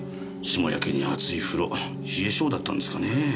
しもやけに熱い風呂冷え性だったんですかねぇ？